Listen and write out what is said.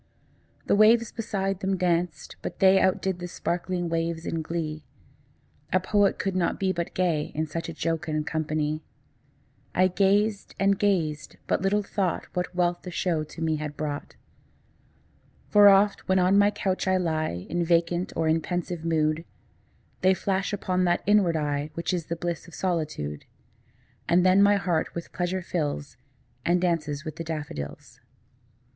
The waves beside them danced; but they Out did the sparkling waves in glee: A poet could not but be gay, In such a jocund company: I gazed–and gazed–but little thought What wealth the show to me had brought: For oft, when on my couch I lie In vacant or in pensive mood, 20 They flash upon that inward eye Which is the bliss of solitude; And then my heart with pleasure fills, And dances with the daffodils.